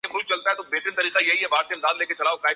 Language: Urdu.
جیسے جنگلات اور باغات کے حسن کا فرق جو انسان خود ترتیب دیتا ہے